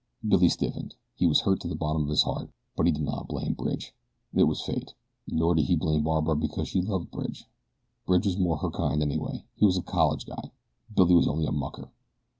Billy stiffened. He was hurt to the bottom of his heart; but he did not blame Bridge it was fate. Nor did he blame Barbara because she loved Bridge. Bridge was more her kind anyway. He was a college guy. Billy was only a mucker.